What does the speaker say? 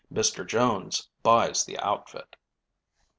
MR. JONES BUYS THE OUTFIT.